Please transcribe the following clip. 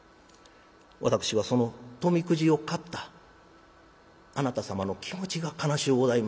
私はその富くじを買ったあなた様の気持ちが悲しゅうございます。